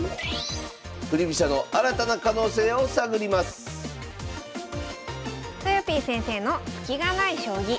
振り飛車の新たな可能性を探りますとよぴー先生の「スキがない将棋」。